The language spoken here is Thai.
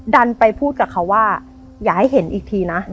ดันไปพูดกับเขาว่าอย่าให้เห็นอีกทีนะ